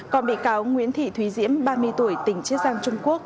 còn bị cáo nguyễn thị thúy diễm ba mươi tuổi tỉnh chiết giang trung quốc